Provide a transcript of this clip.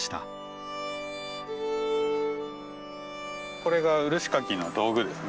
これが漆かきの道具ですね。